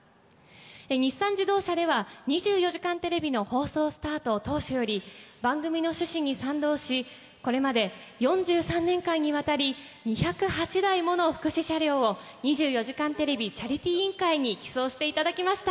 日産自動車では、２４時間テレビの放送スタート当初より、番組の趣旨に賛同し、これまで４３年間にわたり、２０８台もの福祉車両を、２４時間テレビチャリティー委員会に寄贈していただきました。